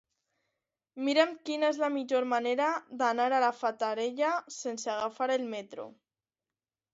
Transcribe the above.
Mira'm quina és la millor manera d'anar a la Fatarella sense agafar el metro.